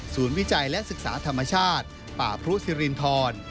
วิจัยและศึกษาธรรมชาติป่าพรุสิรินทร